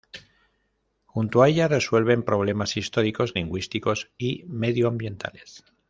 Junto a ella resuelven problemas históricos, lingüísticos y medioambientales.